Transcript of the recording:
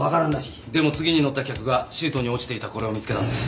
でも次に乗った客がシートに落ちていたこれを見つけたんです。